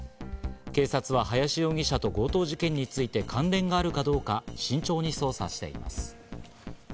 警察は林容疑者と強盗事件について関連があるかどうか慎重に捜査しています。